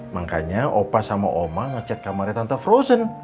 makanya opa sama oma ngecek kamarnya tante frozen